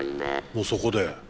もうそこで。